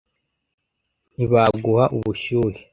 ntibaguha ubushyuhe